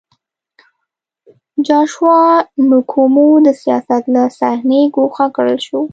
جاشوا نکومو د سیاست له صحنې ګوښه کړل شو.